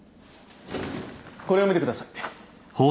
これを見てください。